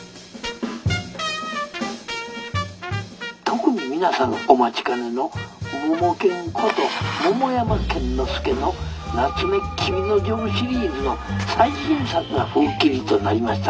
「特に皆さんお待ちかねのモモケンこと桃山剣之介の『棗黍之丞』シリーズの最新作が封切りとなりました。